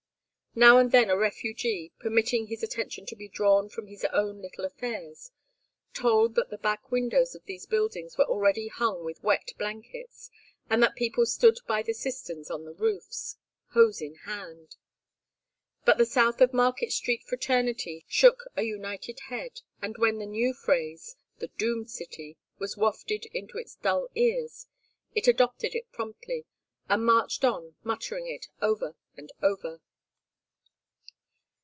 Now and then a refugee, permitting his attention to be drawn from his own little affairs, told that the back windows of these buildings were already hung with wet blankets, and that people stood by the cisterns on the roofs, hose in hand. But the South of Market Street fraternity shook a united head, and when the new phrase, The doomed city, was wafted into its dull ears, it adopted it promptly, and marched on muttering it over and over.